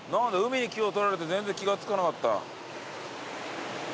海に気を取られて全然気が付かなかった。